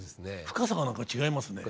深さが何か違いますね。